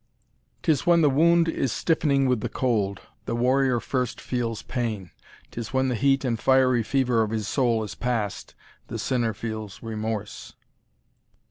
'Tis when the wound is stiffening with the cold. The warrior first feels pain 'tis when the heat And fiery fever of his soul is pass'd, The sinner feels remorse.